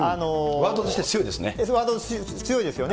そうですね、ワードとして強いですね。